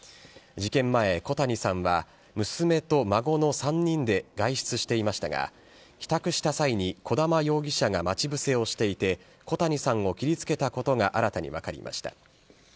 事件前、小谷さんは娘と孫の３人で外出していましたが、帰宅した際に、児玉容疑者が待ち伏せをしていて、小谷さんを切りつけたことが新たに分かりました。